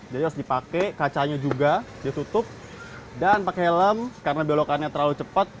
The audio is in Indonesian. jadi harus dipakai kacanya juga ditutup dan pakai helm karena belokannya terlalu cepat